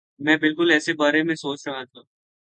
میں بالکل اسی بارے میں سوچ رہا تھا